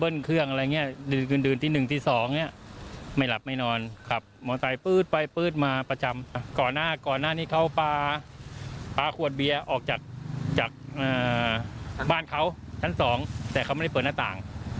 เยอะขยะปลาก้นบุหรี่เยอะ